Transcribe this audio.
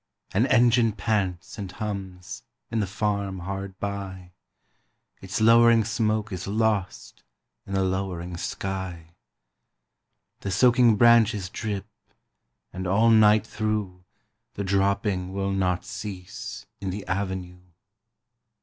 An engine pants and hums In the farm hard by: Its lowering smoke is lost In the lowering sky. The soaking branches drip, And all night through The dropping will not cease In the avenue.